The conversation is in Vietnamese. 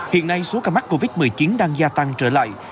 hiện nay số ca mắc covid một mươi chín đang gia tăng trở lại